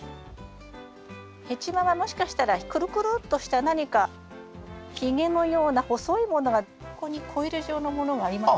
ヘチマはもしかしたらくるくるっとした何かひげのような細いものがここにコイル状のものがありませんか？